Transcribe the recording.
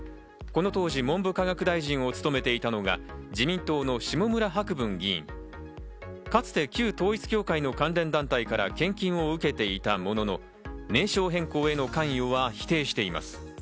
この当時、文部科学大臣を務めていたのが自民党の下村博文議員、かつて旧統一教会の関連団体から献金を受けていたものの、名称変更への関与は否定しています。